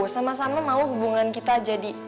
sama sama mau hubungan kita jadi